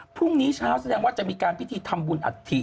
พรุ่งนี้เช้าแสดงว่าจะมีการพิธีทำบุญอัฐิ